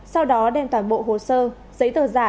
sau đó đem toàn bộ hồ sơ giấy tờ giả